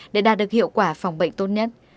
để đạt được hiệu quả phòng bệnh tốt nhất